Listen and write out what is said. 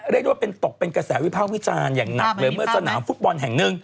แบบเซ็กซี่เลยคุณ